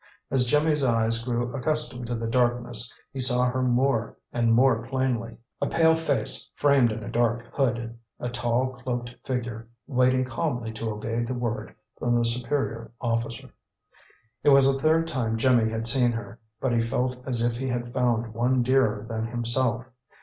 As Jimmy's eyes grew accustomed to the darkness, he saw her more and more plainly: a pale face framed in a dark hood, a tall, cloaked figure waiting calmly to obey the word from the superior officer. It was the third time Jimmy had seen her, but he felt as if he had found one dearer than himself.